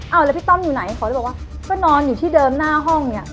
เอาแล้วพี่ต้อมอยู่ไหนเขาเลยบอกว่าก็นอนอยู่ที่เดิมหน้าห้องเนี่ย